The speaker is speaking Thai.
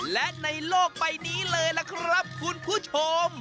และในโลกใบนี้เลยล่ะครับคุณผู้ชม